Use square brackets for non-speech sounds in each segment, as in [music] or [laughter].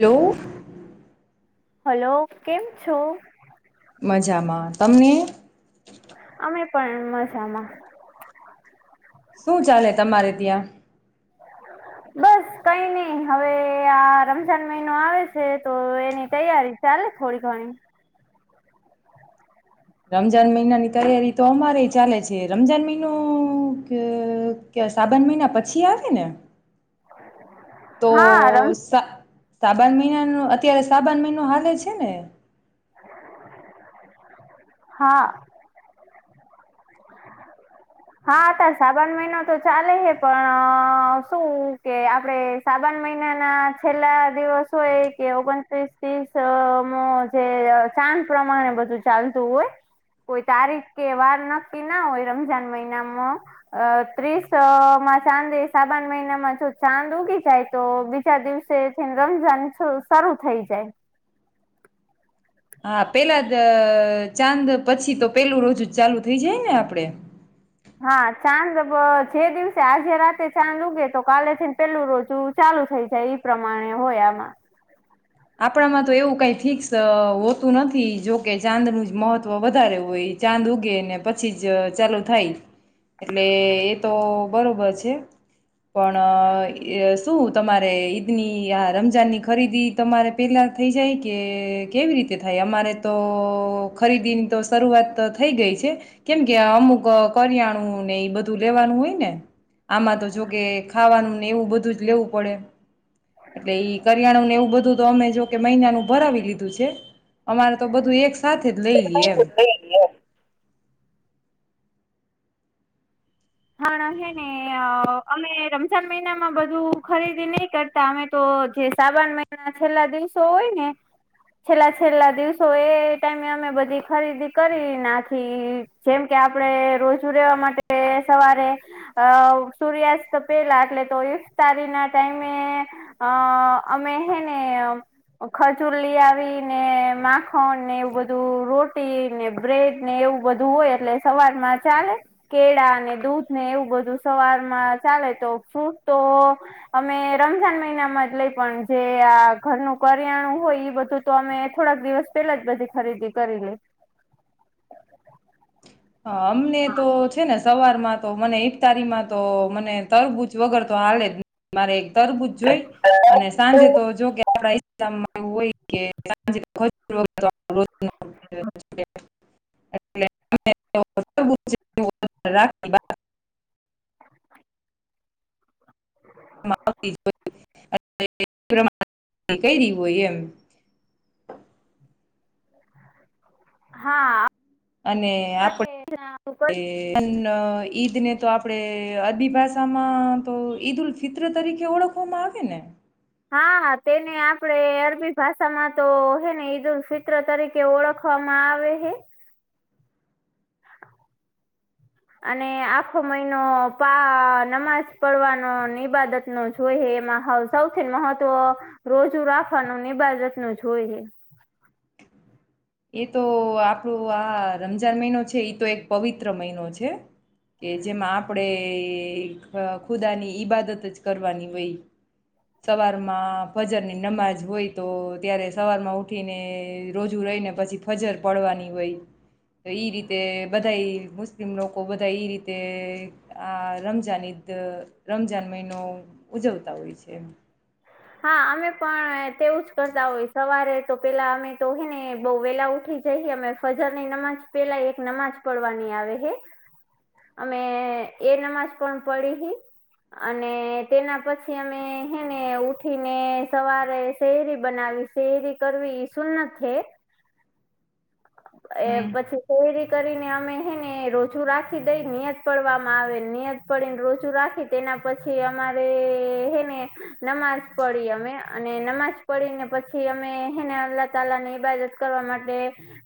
Hello, hello કેમ છો, મજામાં તમને તમે પણ મજામાં શું ચાલે તમારે ત્યાં, બસ કઈ નઈ હવે આ રમઝાન મહિનો આવે છે, તો એની તૈયારી ચાલે થોડી ઘણી રમજાન મહિનાની તૈયારી તો અમારે ચાલે છે રમજાન મહિનો સાબન મહિના પછી આવે ને? તો હા રમ સા સાબન મહિનાનું અત્યારે સાવન મહનો હાલે છેને? હા, હા ત સાબન મહિનો તો ચાલે હે પણ શું કે આપડે સાબણ મહિના ના છેલ્લા દિવસ હોય કે ઓગણ બાકી ના હોય રમજાન મહિનામાં ત્રીસમાં ચાંદ સાબણ મહિનામાં જો ચાંદ ઉગી જાય તો બીજા દિવસે થી રમજાન શરૂ થઈ જાય. હા પેલા જ ચાંદ પછી તો પેલું રોજ જ ચાલુ થઇ જાય ને આપડે, હા ચાંદ જે દિવસે આજે રાતે ચાંદ ઉગે તો કાલેથીને પેલું રોજુ ચાલુ થઇ જાય ઈ પ્રમાણે હોય આમાં આપણામાં તો એવું કઈ ફિક્સ હોતું નથી જોકે ચાંદનું જ મહત્વ વધારે હોય ચાંદ ઉગે ને પછી જ ચાલુ થાય એટલે એ તો બરોબર છે. પણ, શું તમારે ઈદ ની આ રમજાન ની ખરીદી તમારે પેલા થઈ જાય કે કેવી રીતે થાય અમારે તો ખરીદીની તો શરૂઆત થઈ ગઈ છે, કેમ કે અમુક કરિયાણું ને એ બધું લેવાનું હોય ને આમાં તો જોકે ખાવાનું ને એવું બધું જ લેવું પડે એટલે ઈ કરિયાણું ને એવું બધું, ધુ તો અમે જો કે મહિનાનું ભરાવી લીધું છે, અમારે તો બધું એક સાથે જ લઈ લઈએ એમ ઘણાં હે ને અમે રમજાન મહિનામાં બધું ખરીદી નહી કરતા અમે તો, જે સાબણ મહિના છેલ્લા દિવસો હોય ને, છેલ્લા છેલ્લા દિવસો એ ટાઈમે અમે બધી ખરીદી કરી નાખી, જેમ કે આપડે રોજુ રેવા માટે સવારે અ સૂર્યાસ્ત પેલા એટલે તો ઇફતારી ના ટાઈમે, અ અમે હે ને ખજુર લી આવી ને માખણ ને એવું બધું રોટી ને બ્રેડ ને એવું બધું હોય એટલે સવારમાં ચાલે, કેળા, દૂધ ને એવું બધું સવારમાં ચાલે તો, ફ્રૂટ તો અમે રમજાન મહિનામાં જ લઈ પણ, જે આ ઘરનું કરિયાણું હોય, એ બધું તો અમે થોડાક દિવસ પેલા જ બધી ખરીદી કરી લે. હા અમને તો છે ને સવાર માં તો મને ઇફતારીમાં તો મને તરબૂચ વગર તો હાલે જ ની મારે, તરબૂજ જોઈ અને સાંજે તો જો કે આપડા ઈસ્લામ મા એવું હોય કે સાંજે [unintelligible] [inaudible] અટલે? [inaudible] ક દ હોય એમ [unintelligible] હાં, અને આપડે, [unintelligible] ઈદ ને તો આપડે અરબી ભાષામાં તો ઈદઉલ ફિત્ર તરીકે ઓળખવામાં આવે ને? હા તેને આપડે અરબી ભાષામાં તો હે ને ઈદ ફિત્ર તરીકે ઓળખવામાં આવે હે. અને આખો મહિનો પા નમાજ પડવાનો ઈબાદત નો જોઈએ એમાં સૌથી મહત્વ રોજુ રાખવાનું ઈબાદત નું જોઈ એ તો આપણો આ રમજાન મહિનો છે એ તો એક પવિત્ર મહિનો છે, કે જેમાં આપણેે ખુદાની ઈબાદત જ કરવાની હોય, સવારમાં ફજર ની નમાજ હોય, તો ત્યારે સવારમાં ઉઠીને રોજુ રહીને પછી ફજર પડવાની હોય તો, ઇ રીતે બધા મુસ્લિમ લોકો બધા ઇ રીતે, આ રમજાન ઈદ રમજાન મહિનો ઉજવતા હોય છે. હા અમે પણ તેવુંજ કરતા હોય, સવારે તો પેલા અમે તો હેને બઉ વેલા ઉઠી જઈ, અમે ફજર ની નમાજ પેલા એક નમાજ પડવાની આવે હે, અમે એ નમાજ પણ પડી હિ અને તેના પછી અમે હેને ઉઠીને સવારે શેહેરી બનાવી, શેરી કરવી એ સૂન્નત છે. એ હમ પછી કઈ રીતે! કરીને અમે હેને રોજુ રાખી દઈ નિયત પડવામાં આવે, નિયત પડીને રોજું રાખી તેના પછી અમારે હેને, નમાજ પડી અમે અને નમાજ પડીને પછી અમે હેને, અલ્લાહ તલા ને ઈબાદત કરવા માટે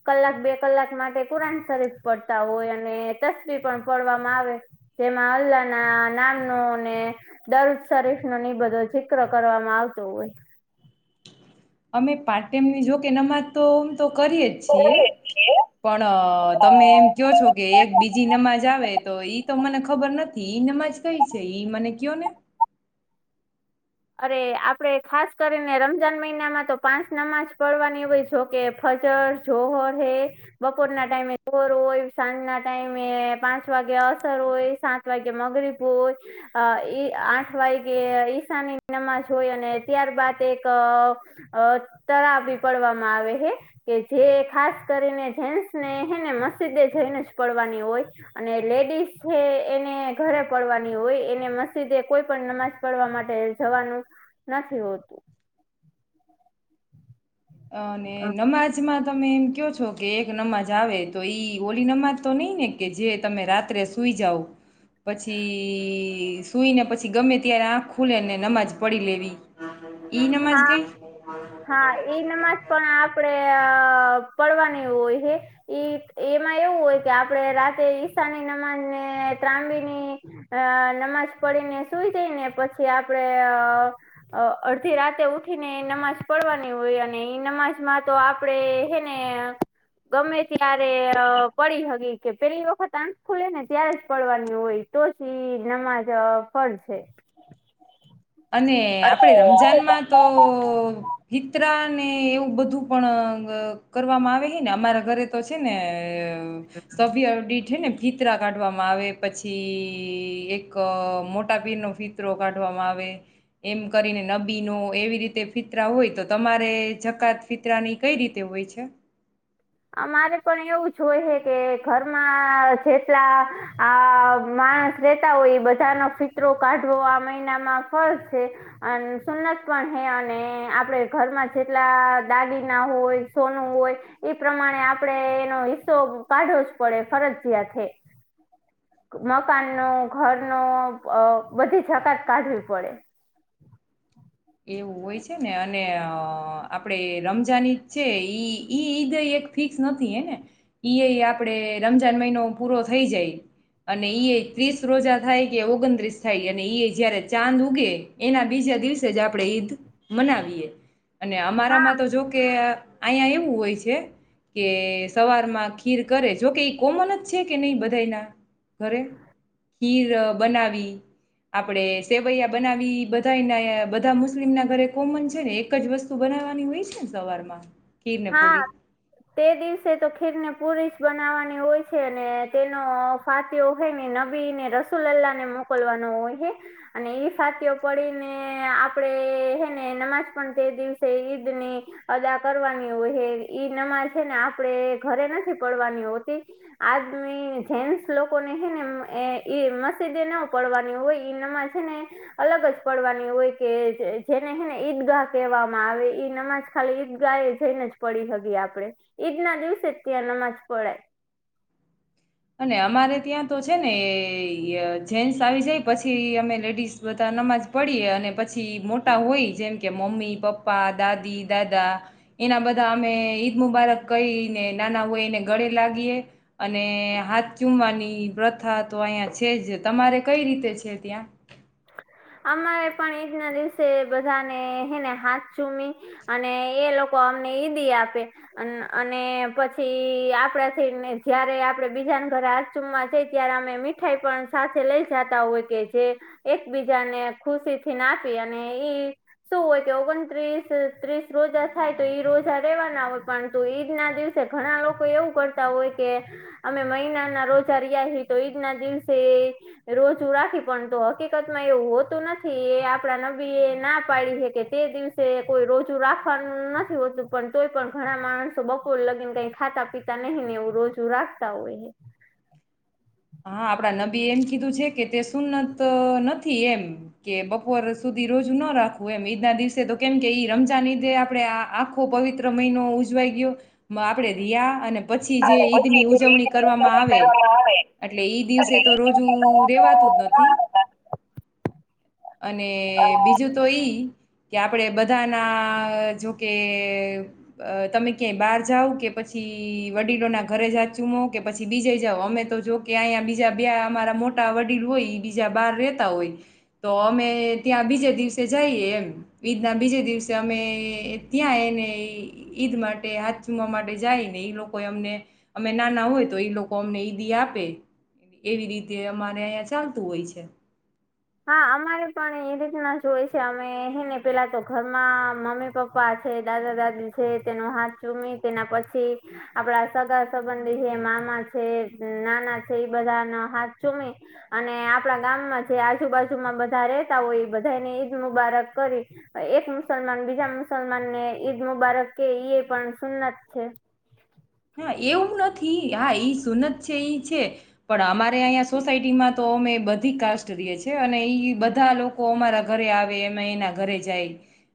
કલાક બે કલાક માટે કુરાન શરીફ પડતા હોય. અને તસવીર પણ પડવામાં આવે, જેમાં અલ્લાહ ના નામનો અને દરજ શરીફ નો નિબધો જિક્ર કરવામાં આવતો હોય. અમે પાર્ટ ટેમની જો કે નમાજ તો તો કરીએ જ છીએ પણ તમે એમ કયોં છો કે એક બીજી નમાજ આવે. તો ઈ તો મને ખબર નથી. ઈ નમાજ કઈ છે ઈ મને કયો ને? અરે આપડે ખાસ કરીને રમજાન મહિનામાં તો પાંચ નમાજ પડવાની હોય, જો કે ફજર જોહર હે બપોર ના ટાઈમે બર હોય, સાંજ ના ટાઈમે પાંચ વાગે અસર હોય, સાત વાગે મગરીબ હોય, ઈ આઠ વાગ્યે ઈશાની નમાજ હોય, અને ત્યારબદ એક તરા બી પડવામાં આવે છે, કે જે ખાસ કરીને જેન્ટસ ને હે ને મસ્જિદે જઈને જ પડવાની હોય, અને લેડીઝ છે એને ઘરે પડવાની હોય એને મસ્જિદે કોઈ પણ નમાજ પડવા માટે જવાનું નથી હોતું. અને નમાજમાં? તમે એમ કહો છો કે એક નમાજ આવે તો, ઈ ઓલી નમાજ તો નઈ ને કે જે, તમે રાત્રે સુઈ જાવ પછી સુઈને પછી, ગમે ત્યારે આંખ ખુલે ને નમાજ પડી લેવી. ઈ નમાજ હા કઈ? નમાજ પણ આપડે, અ પડવાની એ હોય હે, એમાં એવું હોય કે આપણે રાતે ઈશાની નમાજ ને ત્રામબી ની અ નમાજ પડીને સુઈ જઈને, પછી આપડે અડધ થી રાતે ઉઠી ને નમાજ પડવાની હોય, અને ઈ નમાજ માં તો આપડે હે ને ગમે ત્યારે પડી હકી કે, પેલી વખત આંખ ખુલેને ત્યારે જ પડવાની હોય તો જ ઈ નમાજ ફર છે. અને અરે આપડે રમજાનમાં તો.? હિતરા ને એવું બધું પણ કરવામાં આવે હે ને? અમારા ઘરે તો છે ને અ સભી અ ડીઠે ને ફીતરા કાઢવામાં આવે, પછી એક મોટા પીરનો ફીતરો કાઢવામાં આવે એમ કરીને નબીનો એવી રીતે ફિતરા હોય તો, તમારે જકાત ફિતરાની કઈ રીતે હોય છે? અમારે પણ એવું જોય હોય હે કે, ઘરમાં જેટલા આ માણસ રેતા હોય એ બધાનો ફિતરો કાઢવો આ મહિનામાં ફળ છે. અને સુન્નત પણ હે અને આપડે ઘરમાં જેટલા દાગીના હોય, સોનું હોય, એ પ્રમાણે આપડે એનો હિસ્સો કાઢવો જ પડે ફરજિયાત હે મકાનનો, ઘરનો બધી જકાત કાઢવી પડે. એવું હોય છે ને અન ને અ આપડે રમજાન ઈદ છે, ઈ ઈ ઈદ એક ફિક્સ નથી હે ને ઈયય આપડે રમજાન મહિનો પૂરો થઈ જાય અને ઈય ત્રીસ રોઝા થાય કે ઓગણત્રીસ થાય અને ઈય જયારે ચાંદ ઉગે એના બીજા દિવસે જ આપડે ઈદ મનાવીએ. અને હા અમારામાં તો જો કે અહીંયા એવું હોય છે કે સવારમાં ખીર કરે જો કે ઈ કોમન જ છે કે નઈ બધાયના ઘરે. ખીર બનાવી આપડે સેવૈયા બનાવી બધાયને બધા મુસ્લિમના ઘરે કોમન છે ને એક જ વસ્તુ બનાવાની હોય છે ને સવારમાં ખીર ને હા પૂરી તે દિવસે તો ખીરને પુરી જ બનાવાની હોય છે. અને તેનો ફાત્યો હે ને નબી ને રસુલ્લ્લાહ ને મોકલવાનો હોય હે અને ઈ ફાત્યો પડીને આપડે હેને નમાજ પણ તે દિવસે ઈદની અદા કરવાની હોય હે. ઈ નમાજ હે ને આપડે ઘરે નથી પડવાની હોતી. આદમી જેન્સ લોકોને હે ને ઈ મસ્જિદે ન પડવાની હોય. ઈ નમાજ છેને અલગ જ પડવાની હોય. કે જેને હેને ઈદગાહ કહેવામાં આવે. ઈ નમાજ ખાલી ઈદગા થઈને જ પડી હગે આપડે. ઈદ ના દિવસે જ ત્યાં નમાજ પડાય. અને અમારે ત્યાં તો છે ને જેન્ટસ આવી જાય પછી અમે લેડીઝ બધા નમાજ પડીએ અને પછી મોટા હોય જેમ કે મમ્મી, પપ્પા, દાદી, દાદા એના બધા અમે ઈદ મુબારક કઈને નાના હોય એને ગળે લાગીએ અને હાથ ચુમવાની પ્રથા તો અહિયાં છે જ. તમારે કઈ રીતે છે ત્યાં? અમારે પણ ઈદના દિવસે બધાને હેને હાથ ચૂમી અને એ લોકો અમને ઈદી આપે અને પછી આપડાથી ને જયારે આપડે બીજા ન ઘરે હાથ ચૂમવા જઈ ત્યારે અમે મીઠાઈ પણ સાથે લઈ જાતા હોય કે જે એકબીજાને ખુશીથી ન આપી અને ઈ શું હોય કે ઓગણત્રીસ-ત્રીસ રોઝા થાય તો, ઈ રોઝા રહેેવાના હોય પંતુ ઈદના દિવસે ઘણા લોકો એવું કરતા હોય કે અમે મહિનાના રોઝા રહ્યા હી, તો ઈદના દિવસે રોજુ રાખી પણ હકીક તમાં એવું હોતું નથી, એ આપડા નબી એ ના પાડી હે કે તે દિવસે કોઈ રોજુ રાખવાનું નથી હોતું, પણ તોય પણ ઘણા માણસો બપોર લગીન કઈ ખાતા-પીતા નહી ને, એવું રોજુ રાખતા હોય હે. હા. આપડા નબી એમ કીધું છે કે તે સુન્નત નથી, એમ કે બપોર સુધી રોજુ ના રાખવું એમ ઈદના દિવસે તો કેમ કે ઈ રમજાન ઈદે આપડે આખો પવિત્ર મહિનો ઉજવાઈ ગયો. આપડે રિયા અને પછી જે ઈદની ઉજવણી કરવામાં આવે [unintelligible] એટલે ઈ દિવસે એટલે તો રોજુ રેવાતું જ નથી ઈ અને બીજું તો ઈ કે, આપડે બધાના જોકે તમે ક્યાંય બહાર જાઓ કે પછી વડીલોના ઘરે જા ચૂમો કે પછી બીજે જાઓ અમે તો જો કે અહીંયા બીજા બે અમારા મોટા વડીલ હોય ઈ બીજા બાર રેતા હોય તો અમે ત્યાં બીજે દિવસે જઈએ એમ. ઈદના બીજે દિવસે અમે ત્યાં એને ઈદ માટે હાથ ચુમવા માટે જાઈ ને ઈ લોકો અમને અમે નાના હોય તો ઈ લોકો અમને ઈદ આપે એવી રીતે અમારે અહીંયા ચાલતું હોય છે. હા. અમારે પણ એ રીતના જ હોય છે અમે હેને પેલા તો ઘરમાં મમ્મી, પપ્પા છે દાદા, દાદી છે તેનો હાથ ચૂમી તેના પછી આપડા સગા સબંધી છે મામા છે, નાના છે, એ બધાનો હાથ ચૂમી અને આપણા ગામમાં છે આજુબાજુમાં બધા રેતા હોય એ બધાઈને ઈદ મુબારક કરી, એક મુસલમાન બીજા મુસલમાનને ઈદ મુબારક કે એ પણ સુન્નદ છે હા એવું નથી. હા ઈ સુનત છે ઈ છે, પણ અમારે અહીંયા સોસાયટીમાં તો અમે બધી કાસ્ટ રીએ છે, અને ઈ બધા લોકો અમારા ઘરે આવે અમે એના ઘરે જાય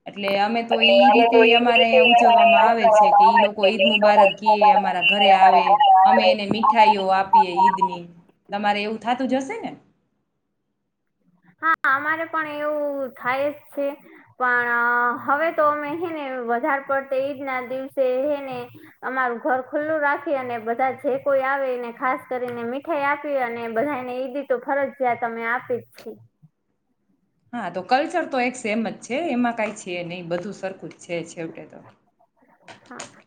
એટલે અમે તો એટલે ઈ અમે તો રીતે એ અમારે રીતે અયા અમારે ઉજવવામાં આવે છે ઉજવવામાં કે ઈ આવે લોકો છે ઈદ કે એ લોકો ઈદ મુબારક ઈય મુબારક કે અમારા ઘરે આવે, અમારા અમે ઘરે આવે એને મીઠાઈઓ આપીએ ઈદની, તમારે એવું થા તો જશે ને? હા. અમારે પણ એવું થાય જ શે, પણ હવે તો અમે હેને વધાર પડતે ઈદના દિવસે હેને અમારું ઘર ખુલ્લું રાખી અને બધા જે કોઈ આવે એને ખાસ કરીને મીઠાઈ આપીએ અને બધાયને ઈદી તો ફરજયાત અમે આપી જ છે. હા. તો કલ્ચર તો એક સેમ જ છે, એમાં કાઈ છે નહી બધું સરખું છે છેવટે તો. હા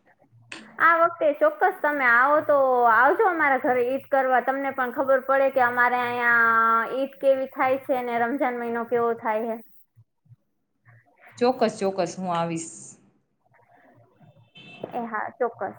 આ વખતે ચોક્કસ તમે આવો તો આવજો અમારા ઘરે ઈદ કરવા તમને પણ ખબર પડે કે, અમારે આયા ઈદ કેવી થાય છે અને રમજાન મહિનો કેવો થાય હે. ચોક્કસ ચોક્કસ હું આવીશ. એ હા ચોક્કસ.